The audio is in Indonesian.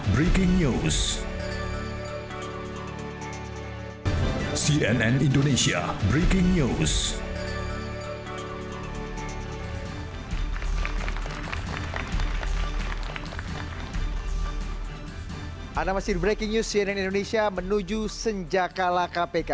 bang nasir breaking news cnn indonesia menuju senjaka laka pk